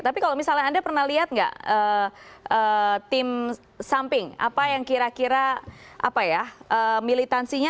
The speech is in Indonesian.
tapi kalau misalnya anda pernah lihat nggak tim samping apa yang kira kira apa ya militansinya